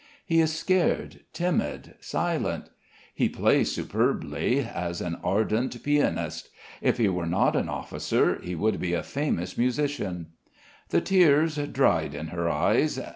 He is scared, timid, silent. He plays superbly, as an ardent pianist. If he were not an officer, he would be a famous musician. The tears dried in her eyes.